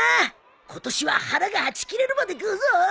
今年は腹がはち切れるまで食うぞ！